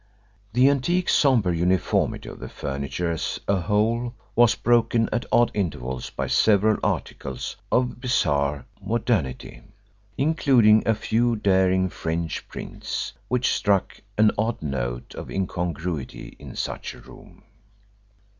The antique sombre uniformity of the furniture as a whole was broken at odd intervals by several articles of bizarre modernity, including a few daring French prints, which struck an odd note of incongruity in such a room.